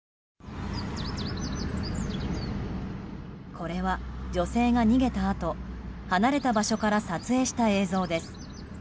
これは女性が逃げたあと離れた場所から撮影した映像です。